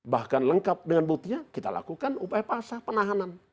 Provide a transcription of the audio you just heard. bahkan lengkap dengan buktinya kita lakukan upaya paksa penahanan